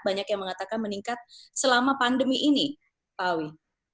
banyak yang mengatakan meningkat selama pandemi ini pak awi